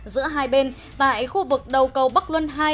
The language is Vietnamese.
giữa hai bên tại khu vực đầu cầu bắc luân hai